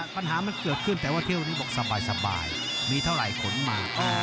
ปัญหามันเกิดขึ้นแต่ว่าเที่ยวนี้บอกสบายมีเท่าไหร่ขนมา